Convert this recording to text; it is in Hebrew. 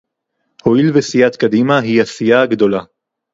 הואיל וסיעת קדימה היא הסיעה הגדולה